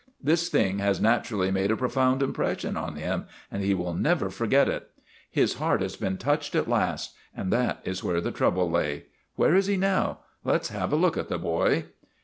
This thing has naturally made a profound impression on him and he will never forget it. His heart has been touched at last, and that is where the trouble lay. Where is he now? Let 's have a look at the boy."